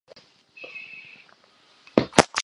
凹花蟹蛛为蟹蛛科花蟹蛛属的动物。